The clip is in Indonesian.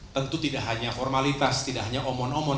tentu tidak hanya formalitas tidak hanya omong omong